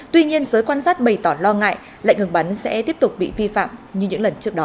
tuy nhiên giới quan sát bày tỏ lo ngại lệnh ngừng bắn sẽ tiếp tục bị vi phạm như những lần trước đó